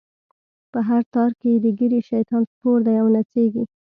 په هر تار کی یی د ږیری، شیطان سپور دی او نڅیږی